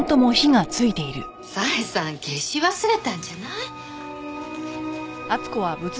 小枝さん消し忘れたんじゃない？